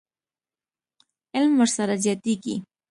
علم ورسره زیاتېږي.